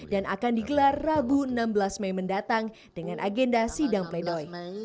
dan akan digelar rabu enam belas mei mendatang dengan agenda sidang play doh